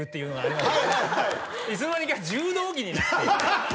いつの間にか柔道着になっている。